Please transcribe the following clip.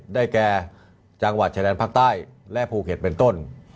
ได้แก่จังหวัดชายแดนภาคใต้และภูเก็ตเป็นต้น